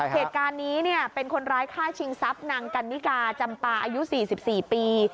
เหตุการณ์นี้เป็นคนร้ายฆ่าชิงทรัพย์นางกันนิกาจำปาอายุ๔๔ปี